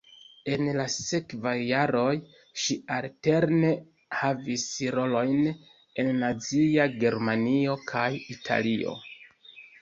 En la sekvaj jaroj ŝi alterne havis rolojn en nazia Germanio kaj Italio.